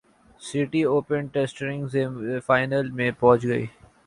city open tennis Alexander Zverev final میں پہنچ گئے